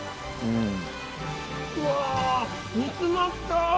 うわ煮詰まった！